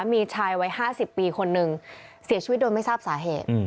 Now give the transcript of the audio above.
มีชายวัย๕๐ปีคนนึงเสียชีวิตโดยไม่ทราบสาเหตุ